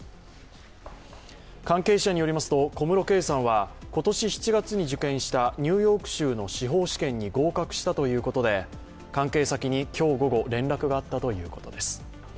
関係者によりますと、小室圭さんは今年７月に受験したニューヨーク州の司法試験に合格したということで関係先に今日午後連絡があったということです。